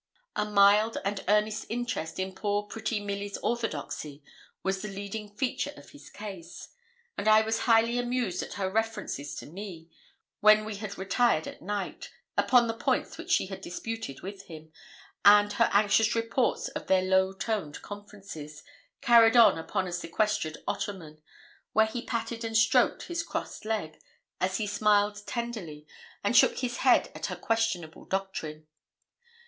A mild and earnest interest in poor, pretty Milly's orthodoxy was the leading feature of his case; and I was highly amused at her references to me, when we had retired at night, upon the points which she had disputed with him, and her anxious reports of their low toned conferences, carried on upon a sequestered ottoman, where he patted and stroked his crossed leg, as he smiled tenderly and shook his head at her questionable doctrine.